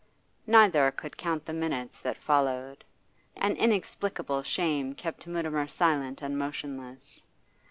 Neither could count the minutes that followed. An inexplicable shame kept Mutimer silent and motionless.